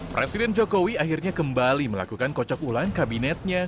presiden jokowi akhirnya kembali melakukan kocok ulang kabinetnya